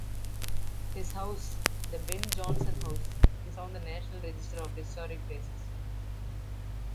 His House, the Ben Johnson House, is on the National Register of Historic Places.